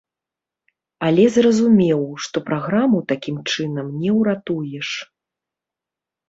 Але зразумеў, што праграму такім чынам не ўратуеш.